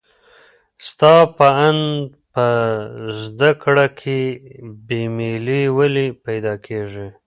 ستا په اند په زده کړه کې بې میلي ولې پیدا کېږي؟